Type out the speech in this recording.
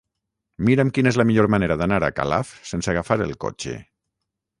Mira'm quina és la millor manera d'anar a Calaf sense agafar el cotxe.